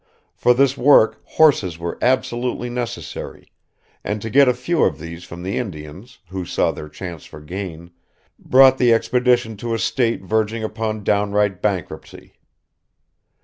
For this work horses were absolutely necessary; and to get a few of these from the Indians, who saw their chance for gain, brought the expedition to a state verging upon downright bankruptcy.